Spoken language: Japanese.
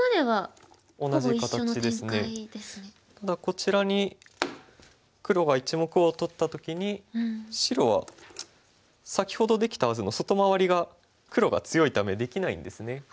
ただこちらに黒が１目を取った時に白は先ほどできたはずの外回りが黒が強いためできないんですね。